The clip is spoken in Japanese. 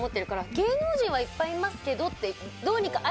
「芸能人はいっぱいいますけど」ってどうにかあ